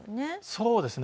そうですね。